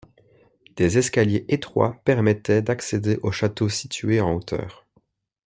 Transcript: Des escaliers étroits permettaient d'accéder au château situé en hauteur.